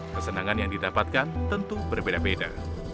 kesenangan yang didapatkan tentu berbeda beda